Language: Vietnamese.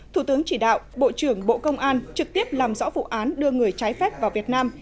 thủ tướng chỉ đạo bộ trưởng bộ công an trực tiếp làm rõ vụ án đưa người trái phép vào việt nam